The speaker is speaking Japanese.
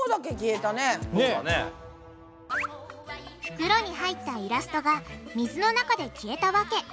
袋に入ったイラストが水の中で消えた訳。